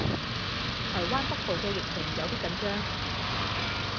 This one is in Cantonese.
台灣北部嘅疫情有啲緊張